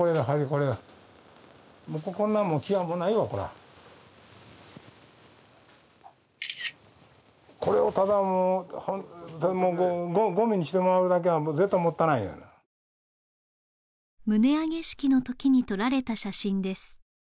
これもうこんなもう木はもうないわこれこれをただもうごみにしてまうだけは絶対もったいないがな棟上げ式の時に撮られた写真です